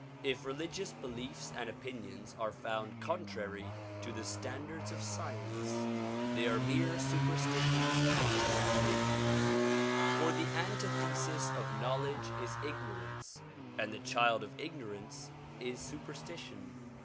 If religious beliefs and opinions are found contrary to the standards of science they are mere superstitions and imagin ations; for the antithesis of knowledge is ignorance, and the child of ignorance is superstition.